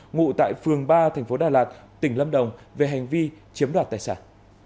ngụ tại phường ba tp đà lạt tỉnh lâm đồng về hành vi chiếm đoạt tài sản